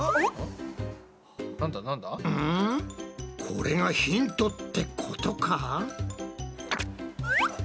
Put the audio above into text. これがヒントってことか？